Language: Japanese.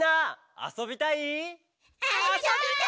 「あそびたい！」